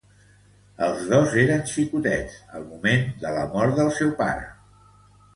Els dos eren xicotets al moment de la mort del seu pare.